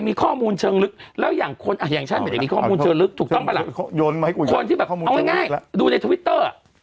คนที่แบบเอาง่ายดูในทวิตเตอร์